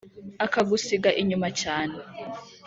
akagusiga inyuma cyane.